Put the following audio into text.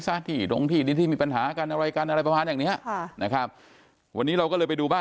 สตลงที่มีปัญหาการอะไรกันอะไรประวัติแบบนี้นะครับวันนี้เราก็เลยไปดูบ้าน